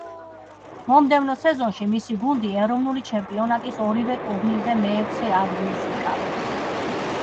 მომდევნო სეზონში მისი გუნდი ეროვნული ჩემპიონატის ორივე ტურნირზე მეექვსე ადგილს იკავებს.